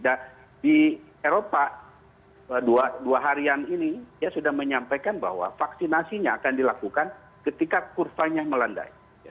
nah di eropa dua harian ini dia sudah menyampaikan bahwa vaksinasinya akan dilakukan ketika kurvanya melandai